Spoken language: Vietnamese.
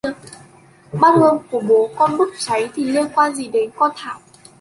bát hương của bố con bốc cháy thì liên quan gì đến con Thảo